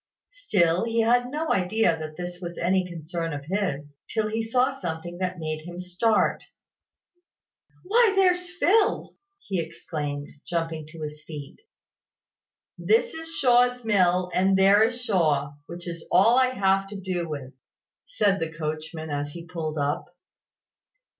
Still he had no idea that this was any concern of his, till he saw something that made him start. "Why, there's Phil!" he exclaimed, jumping to his feet. "This is Shaw's mill, and there is Shaw; which is all I have to do with," said the coachman, as he pulled up.